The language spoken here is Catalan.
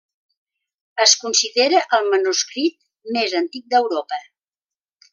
Es considera el manuscrit més antic d'Europa.